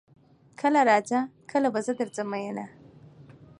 کله راځه کله به زه درځم میینه